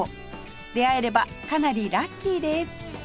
出会えればかなりラッキーです